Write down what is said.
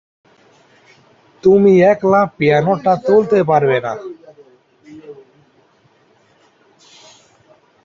তুমি একলা পিয়ানোটা তুলতে পারবে না।